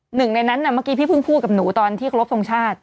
หนึ่งในนั้นเมื่อกี้พี่เพิ่งพูดกับหนูตอนที่ครบทรงชาติ